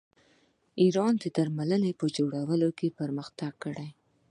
ایران د درملو په جوړولو کې پرمختګ کړی.